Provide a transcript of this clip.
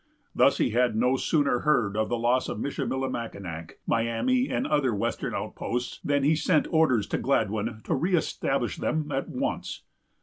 Thus he had no sooner heard of the loss of Michillimackinac, Miami, and other western outposts, than he sent orders to Gladwyn to re establish them at once.